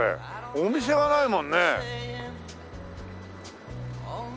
お店がないもんね。